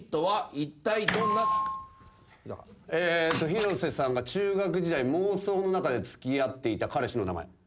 広瀬さんが中学時代妄想の中で付き合っていた彼氏の名前。